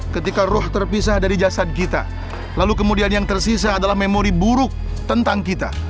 ketika ruh terpisah dari jasad kita lalu kemudian yang tersisa adalah memori buruk tentang kita